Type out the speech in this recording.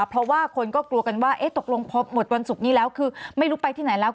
เพราะว่าคนก็กลัวกันว่าตกลงพอหมดวันศุกร์นี้แล้วคือไม่รู้ไปที่ไหนแล้ว